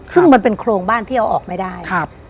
ซึ่งมันเป็นโครงบ้านที่เอาออกไม่ได้